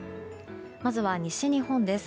まずは西日本です。